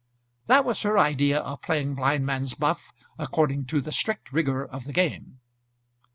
That was her idea of playing blindman's buff according to the strict rigour of the game.